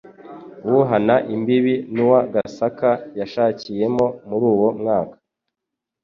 uhana imbibi n'uwa Gasaka yashakiyemo muruwo mwaka